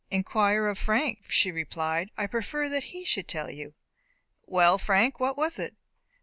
"Inquire of Frank," she replied; "I prefer that he should tell you." "Well, Frank, what was it?"